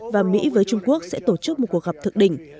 và mỹ với trung quốc sẽ tổ chức một cuộc gặp thượng đỉnh